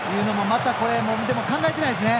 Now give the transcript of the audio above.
またこれも考えてないですね。